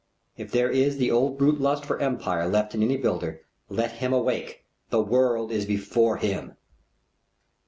If there is the old brute lust for empire left in any builder, let him awake. The world is before him.